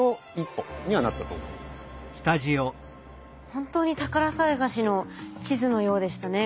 本当に宝探しの地図のようでしたね。